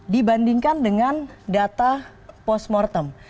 dibandingkan dengan data postmortem